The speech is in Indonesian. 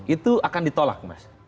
itu akan ditolak mas